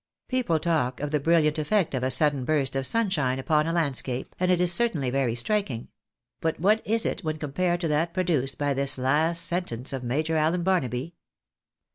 People talk of the brilliant effect of a sudden burst of sunshine upon a landscape, and it is certainly very striking ; but what is it when compared to that produced by this last sentence of Major Allen Barnaby